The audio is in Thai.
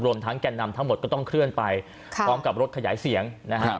ทั้งแก่นนำทั้งหมดก็ต้องเคลื่อนไปพร้อมกับรถขยายเสียงนะครับ